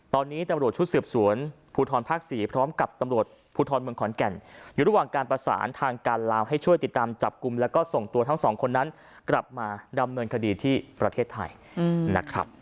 ตอนนี้ตำรวจชุดสืบสวนภูทรภาค๔พร้อมกับตำรวจภูทรเมืองขอนแก่นอยู่ระหว่างการประสานทางการลาวให้ช่วยติดตามจับกลุ่มแล้วก็ส่งตัวทั้งสองคนนั้นกลับมาดำเนินคดีที่ประเทศไทยนะครับ